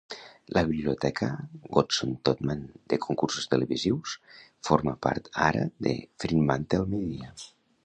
La biblioteca Goodson-Todman de concursos televisius forma part ara de FremantleMedia.